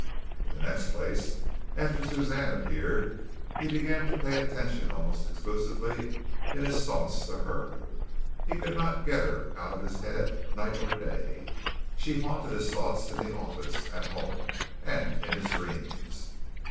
In the next place, after Suzanne appeared, he began to pay attention almost exclusively in his thoughts to her. He could not get her out of his head night or day. She haunted his thoughts in the office, at home, and in his dreams.